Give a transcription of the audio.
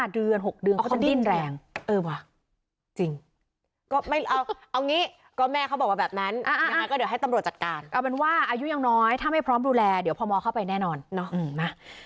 ๕เดือน๖เดือนเขาก็ดิ้นแรง